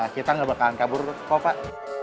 kita nggak bakalan kabur kok pak